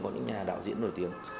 có những nhà đạo diễn nổi tiếng